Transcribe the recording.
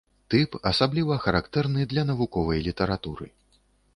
Тып, асабліва характэрны для навуковай літаратуры.